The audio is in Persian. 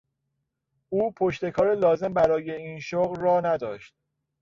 او پشتکار لازم برای این شغل را نداشت.